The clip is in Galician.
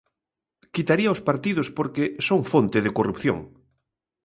Quitaría os partidos porque son fonte de corrupción.